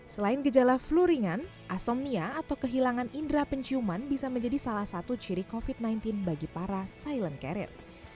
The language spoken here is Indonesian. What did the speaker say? selain gejala flu ringan asomnia atau kehilangan indera penciuman bisa menjadi salah satu ciri covid sembilan belas bagi para silent carrier